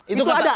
itu ada pak